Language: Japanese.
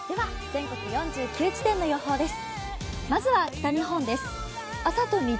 全国４９地点の予報です。